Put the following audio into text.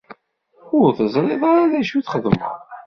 Ur teẓriḍ ara d acu i txedmeḍ.